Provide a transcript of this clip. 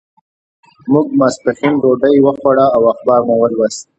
موږ ماسپښین ډوډۍ وخوړه او اخبار مو ولوست.